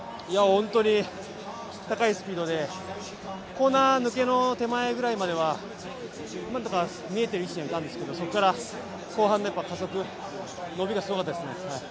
本当に高いスピードでコーナー抜けの手前ぐらいまではなんとか見えてる位置にいたんですけど、そこから後半で加速伸びがすごいですね